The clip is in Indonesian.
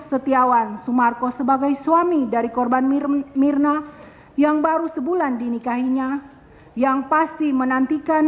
setiawan sumarko sebagai suami dari korban mirna yang baru sebulan dinikahinya yang pasti menantikan